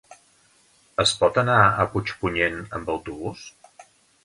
Es pot anar a Puigpunyent amb autobús?